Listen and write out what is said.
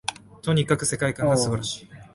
とにかく世界観が素晴らしい